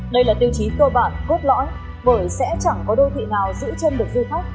đây là tiêu chí cơ bản cốt lõi bởi sẽ chẳng có đô thị nào giữ chân được du khách